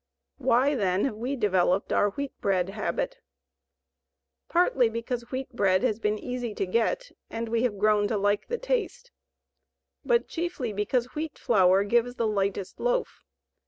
Why, then, have we developed our wheat bread habit? Partly because wheat bread has been easy to get and we have grown to like the taste, but chiefly because wheat flour gives the lightest loaf.